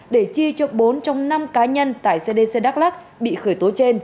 để chi cho bốn trong năm cá nhân tại cdc đắk lắc bị khởi tố trên